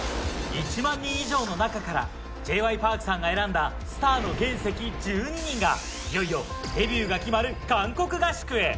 １万人以上の中からＪ．Ｙ．Ｐａｒｋさんが選んだスターの原石１２人がいよいよデビューが決まる韓国合宿へ。